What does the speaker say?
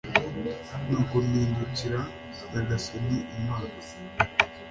nuko mpindukirira Nyagasani Imana